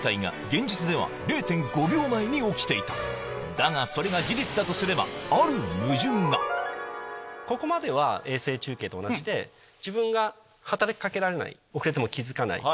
だがそれが事実だとすればある矛盾がここまでは衛星中継と同じで自分が働き掛けられない遅れても気付かない。